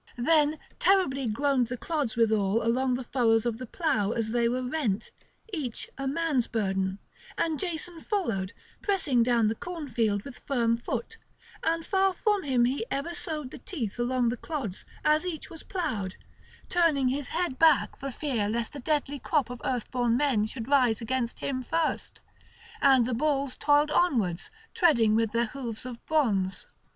Then terribly groaned the clods withal along the furrows of the plough as they were rent, each a man's burden; and Jason followed, pressing down the cornfield with firm foot; and far from him he ever sowed the teeth along the clods as each was ploughed, turning his head back for fear lest the deadly crop of earthborn men should rise against him first; and the bulls toiled onwards treading with their hoofs of bronze.